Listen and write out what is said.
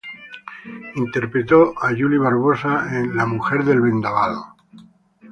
Interpretó a July Barbosa en "La mujer del vendaval".